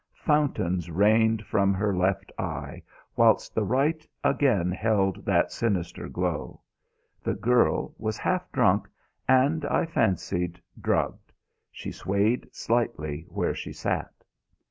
Fountains rained from her left eye, whilst the right again held that sinister glow. The girl was half drunk, and, I fancied, drugged. She swayed slightly where she sat.